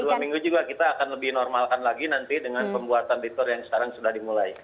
dua minggu juga kita akan lebih normalkan lagi nanti dengan pembuatan liter yang sekarang sudah dimulai